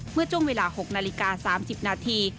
เมื่อช่วงเวลา๖นาฬิกา๓๐นาที